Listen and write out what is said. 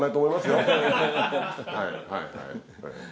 はいはい。